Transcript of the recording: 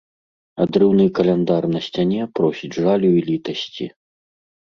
Адрыўны каляндар на сцяне просіць жалю і літасці.